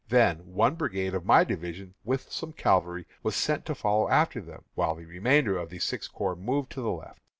Then one brigade of my division, with some cavalry, was sent to follow after them, while the remainder of the Sixth Corps moved to the left.